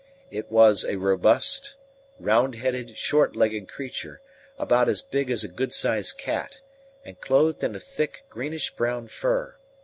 It was a robust, round headed, short legged creature, about as big as a good sized cat, and clothed in a thick, greenish brown fur.